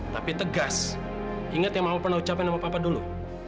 tapi tegas ingat yang mau pernah ucapin sama papa dulu